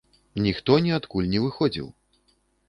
Ніхто ніадкуль не выходзіў.